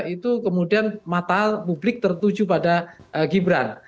itu kemudian mata publik tertuju pada gibran